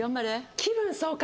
『気分爽快』？